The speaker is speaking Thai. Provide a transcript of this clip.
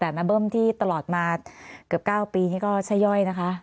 แต่แม่เบิ้มที่ตลอดมาเกือบ๙ปีนี่ก็ชะย่อยนะคะ